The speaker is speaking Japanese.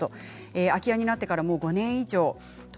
空き家になって５年以上です。